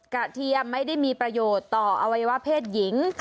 เทียมไม่ได้มีประโยชน์ต่ออวัยวะเพศหญิง